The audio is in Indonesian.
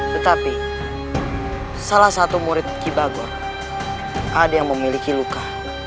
tetapi salah satu murid kibagor ada yang memiliki luka